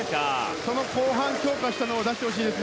その後半で強化したものを出してもらいたいです。